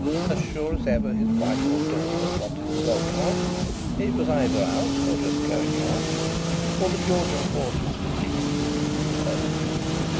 As sure as ever his wife or daughter wanted the dogcart, it was either out or just going out, or the Georgian horse was fatigued and needed repose.